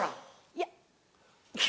いや。